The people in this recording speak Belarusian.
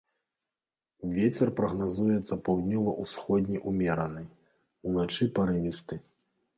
Вецер прагназуецца паўднёва-ўсходні ўмераны, уначы парывісты.